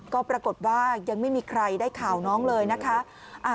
ก็ปรากฏว่ายังไม่มีใครได้ข่าวน้องเลยนะคะ